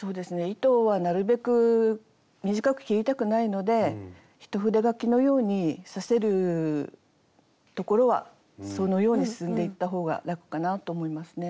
糸はなるべく短く切りたくないので一筆書きのように刺せる所はそのように進んでいった方が楽かなと思いますね。